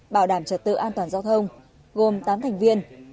bảo đảm trật tự an toàn giao thông gồm tám thành viên